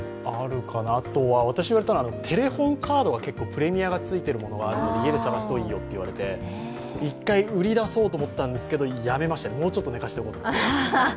私はテレフォンカードが結構プレミアがついているものがあるので家で探すといいよっていわれて、１回売り出そうと思ったんですけどやめました、もうちょっと寝かしておこうと思って。